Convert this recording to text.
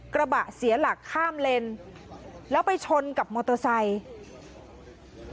กระบะเสียหลักข้ามเลนแล้วไปชนกับมอเตอร์ไซค์